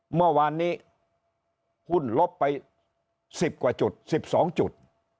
เมื่อวานนี้หุ้นลบไป๑๐กว่าจุด๑๒จุด